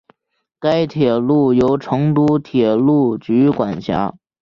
该铁路由成都铁路局管辖。